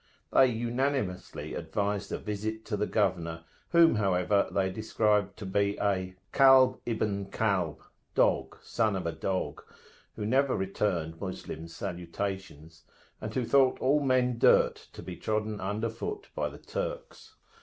They unanimously advised a visit to the governor, whom, however, they described to be a "Kalb ibn kalb," (dog, son of a dog,) who never returned Moslems' salutations, and who thought all men dirt to be trodden under foot by the Turks.